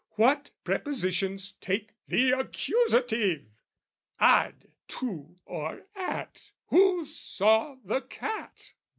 What prepositions take the accusative? Ad to or at who saw the cat?